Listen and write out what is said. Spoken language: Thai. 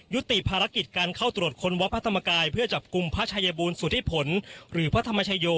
ยุติภารกิจการเข้าตรวจค้นวัดพระธรรมกายเพื่อจับกลุ่มพระชายบูลสุธิผลหรือพระธรรมชโย